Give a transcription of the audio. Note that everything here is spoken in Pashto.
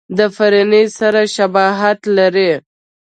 د فرني سره شباهت لري.